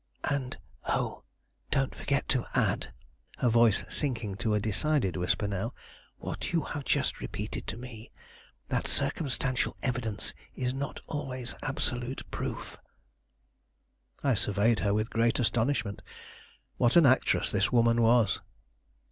And oh, don't forget to add" her voice sinking to a decided whisper now "what you have just repeated to me: that circumstantial evidence is not always absolute proof." I surveyed her with great astonishment. What an actress this woman was!